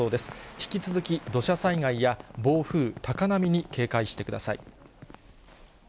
引き続き、土砂災害や暴風、高波に警戒してください。